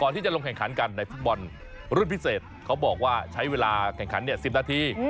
ที่จะลงแข่งขันกันในฟุตบอลรุ่นพิเศษเขาบอกว่าใช้เวลาแข่งขัน๑๐นาที